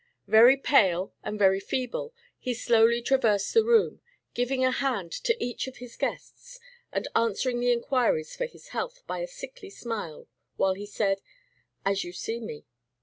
Very pale and very feeble, he slowly traversed the room, giving a hand to each of his guests, and answering the inquiries for his health by a sickly smile, while he said, "As you see me."